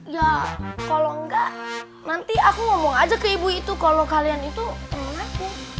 ya kalau enggak nanti aku ngomong aja ke ibu itu kalau kalian itu temen aku